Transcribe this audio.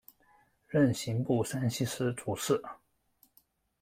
任刑部山西司主事。